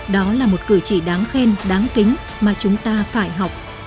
đó là một cử chỉ đáng khen đáng kính mà chúng ta phải học